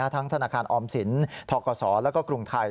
ทั้งธนาคารออมสินทกศแล้วก็กรุงไทย